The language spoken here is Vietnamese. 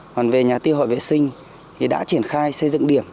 còn về nhà tiêu hội vệ sinh thì đã triển khai xây dựng điểm